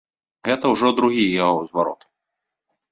Гэта ўжо другі яго зварот.